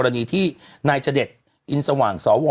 กรณีที่นายเจดทร์อิญสัวห่างสว